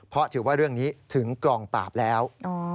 เพราะถือว่าเรื่องนี้ถึงกองปราบแล้ว